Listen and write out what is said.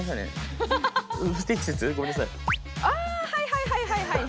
はいはいはいはい。